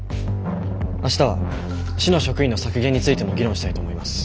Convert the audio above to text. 明日は市の職員の削減についても議論したいと思います。